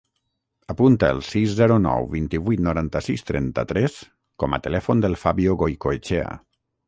Apunta el sis, zero, nou, vint-i-vuit, noranta-sis, trenta-tres com a telèfon del Fabio Goicoechea.